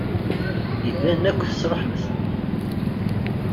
Iban akk tesṛuḥem-ten.